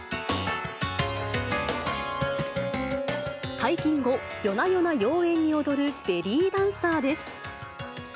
退勤後、夜な夜な妖艶に踊るベリーダンサーです。